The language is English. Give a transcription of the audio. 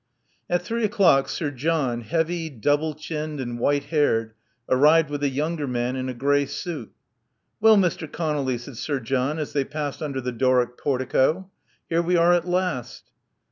At three o'clock Sir John, heavy, double chinned, and white haired, arrived with a younger man in a grey suit. Well, Mr. Conolly," said Sir John, as they passed under the Doric portico. "Here we are at last."